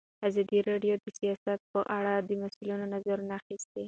ازادي راډیو د سیاست په اړه د مسؤلینو نظرونه اخیستي.